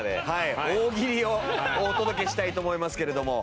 大喜利をお届けしたいと思いますけれども。